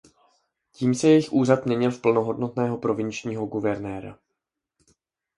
Tím se jejich úřad měnil v plnohodnotného provinčního guvernéra.